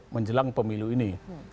menjelang pemilu ini